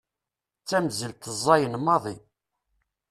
D tamzelt ẓẓayen maḍi.